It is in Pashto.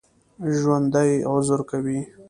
ژوندي عذر کوي